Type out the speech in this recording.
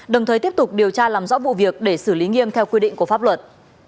đồng thời tiếp tục điều tra làm rõ vụ việc để xử lý nghiêm theo quy định của pháp luật